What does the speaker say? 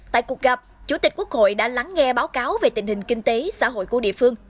tại cuộc gặp chủ tịch quốc hội đã lắng nghe báo cáo về tình hình kinh tế xã hội của địa phương